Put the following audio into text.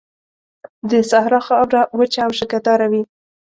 د صحرا خاوره وچه او شګهداره وي.